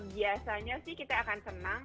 biasanya sih kita akan senang